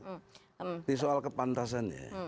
jadi soal kepantasannya